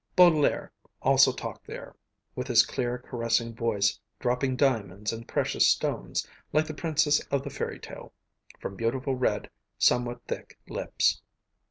Baudelaire also talked there, with his clear caressing voice dropping diamonds and precious stones, like the princess of the fairy tale, from beautiful red, somewhat thick lips.